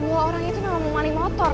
dua orang itu memang mau maling motor